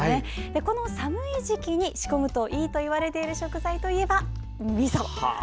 この寒い時期に仕込むといいといわれている食材といえばみそ。